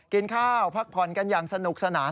กินข้าวพักผ่อนกันอย่างสนุกสนาน